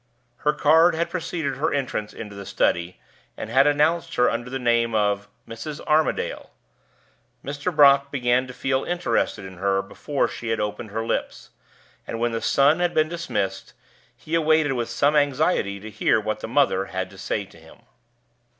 Her card had preceded her entrance into the study, and had announced her under the name of "Mrs. Armadale." Mr. Brock began to feel interested in her before she had opened her lips; and when the son had been dismissed, he awaited with some anxiety to hear what the mother had to say to him.